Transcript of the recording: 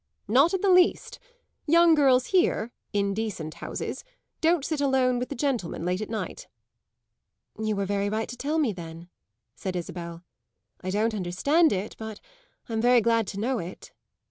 "Not in the least. Young girls here in decent houses don't sit alone with the gentlemen late at night." "You were very right to tell me then," said Isabel. "I don't understand it, but I'm very glad to know it.